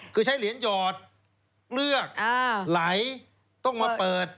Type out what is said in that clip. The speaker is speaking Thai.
คือใช้เหรียญหยอดเลือกไหลต้องมาเปิด